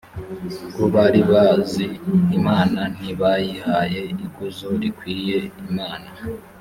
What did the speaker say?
bwo bari bazi imana ntibayihaye ikuzo rikwiriye imana